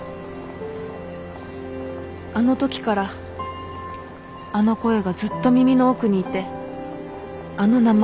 あの時からあの声がずっと耳の奥にいてあの名前が忘れられなくて